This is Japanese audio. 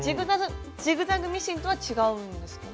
ジグザグミシンとは違うんですか？